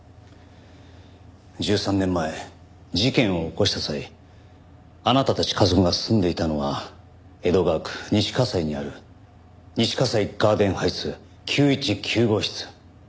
１３年前事件を起こした際あなたたち家族が住んでいたのは江戸川区西西にある西西ガーデンハイツ９１９号室。